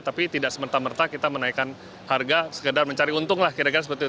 tapi tidak semerta merta kita menaikkan harga sekedar mencari untung lah kira kira seperti itu